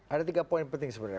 ada tiga poin penting sebenarnya